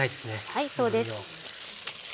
はいそうです。